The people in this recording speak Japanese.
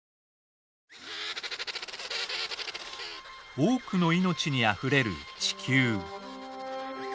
多くの命にあふれる地球。